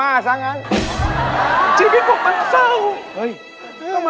อ้าว